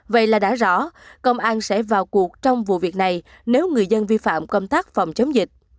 vậy là đã rõ công an sẽ vào cuộc trong vụ việc này nếu người dân vi phạm công tác phòng chống dịch